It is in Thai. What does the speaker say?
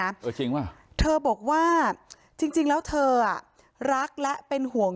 เออจริงป่ะเธอบอกว่าจริงจริงแล้วเธออ่ะรักและเป็นห่วง